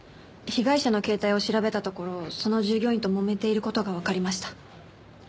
被害者の携帯を調べたところその従業員ともめている事がわかりました。